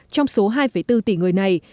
trong số hai bốn tỷ người này